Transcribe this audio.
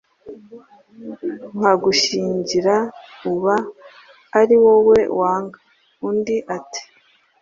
nkagushyingira uba ari wowe wanga». Undi, ati «